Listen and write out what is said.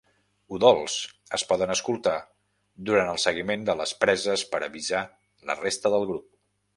Udols: es poden escoltar durant el seguiment de les preses per avisar la resta del grup.